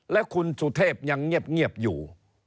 และคุณสุเทพยังเงียบอยู่